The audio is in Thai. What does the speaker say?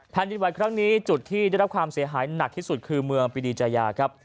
ดินไหวครั้งนี้จุดที่ได้รับความเสียหายหนักที่สุดคือเมืองปิดีใจาครับ